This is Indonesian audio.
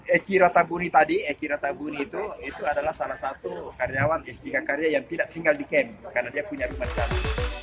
ekira tabuni tadi ekira tabuni itu adalah salah satu karyawan istri karya yang tidak tinggal di kamp karena dia punya rumah di sana